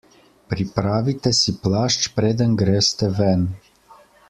Pripravite si plašč preden greste ven.